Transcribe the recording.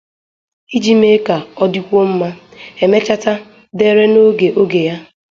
Iji mee ka ọ dịkwuo mma, Emecheta dere n'oge oge ya.